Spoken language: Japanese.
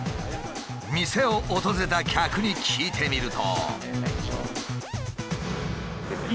店を訪れた客に聞いてみると。